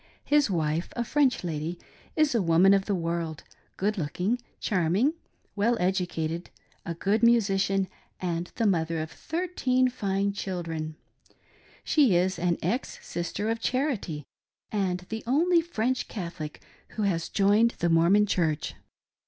His wife, a French lady, is a woman of the world — good looking, ikarra ing, well educated, a good musician, and the mother of thirteen fine children. She is an ex Sister of Charity, and the only French Catholic who has joined the "Mormon Church."